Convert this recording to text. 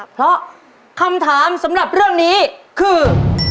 เพราะคำถามสำหรับเรื่องนี้คือ